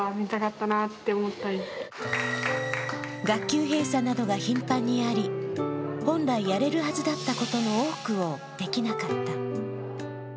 学級閉鎖などが頻繁にあり、本来やれるはずだったことの多くをできなかった。